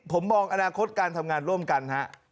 ผมมองอนาคตการทำงานร่วมกันฮะ